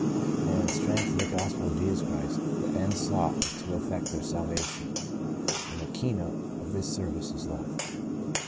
And in the strength of the Gospel of Jesus Christ the end sought is to effect their salvation. And the key note of this service is Love.